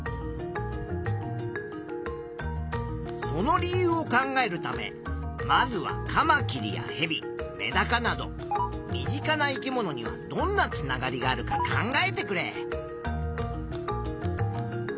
その理由を考えるためまずはカマキリやヘビメダカなど身近な生き物にはどんなつながりがあるか考えてくれ。